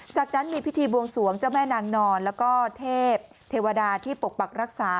จากนั้นมีพิธีบวงสวงเจ้าแม่นางนอนแล้วก็เทพเทวดาที่ปกปักรักษา